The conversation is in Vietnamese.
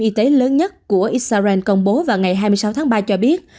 y tế lớn nhất của israel công bố vào ngày hai mươi sáu tháng ba cho biết